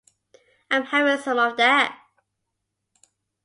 I'm having some of that.